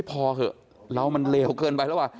เฮ่ยพอเถอะเรามันเลวเกินไปแล้ว